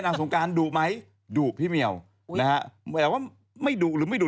นางสงการดูกไหมดูกพี่เมียวนะฮะแบบว่าไม่ดูกหรือไม่ดูก